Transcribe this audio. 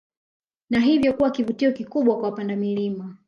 Na hivyo kuwa kivutio kikubwa kwa wapanda milima